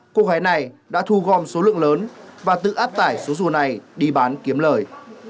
cô gái này đã thu gom số lượng lớn và tự áp tải số rùa này đi bán kiếm lời